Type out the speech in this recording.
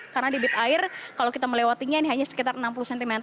karena debit air kalau kita melewatinya ini hanya sekitar enam puluh cm